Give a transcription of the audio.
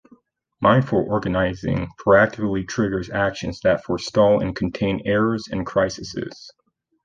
Mindful organizing proactively triggers actions that forestall and contain errors and crises.